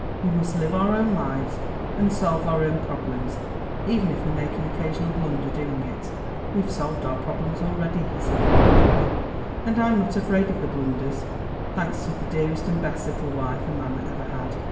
We must live our own lives, and solve our own problems, even if we make an occasional blunder doing it." "We've solved our problems already," he said confidently, "and I'm not afraid of the blunders, thanks to the dearest and best little wife a man ever had."